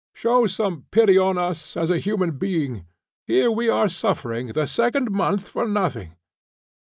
"Show some pity on us, as a human being. Here we are suffering the second month for nothing."